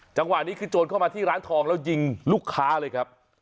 จังหวะนี้คือโจรเข้ามาที่ร้านทองแล้วยิงลูกค้าเลยครับ